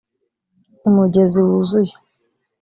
umugezi wuzuye